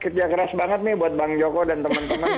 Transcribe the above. kerja keras banget nih buat bang joko dan teman teman